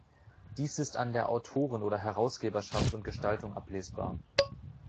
Dies ist an der Autoren- oder Herausgeberschaft und Gestaltung ablesbar.